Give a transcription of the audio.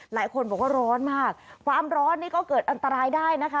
หลายคนบอกว่าร้อนมากความร้อนนี่ก็เกิดอันตรายได้นะคะ